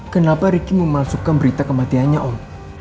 kenapa ricky memalsukan berita kematiannya om